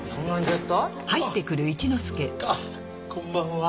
あっこんばんは。